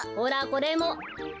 これも！